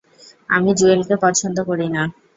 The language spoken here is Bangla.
আমি জুয়েলকে পছন্দ করিনা।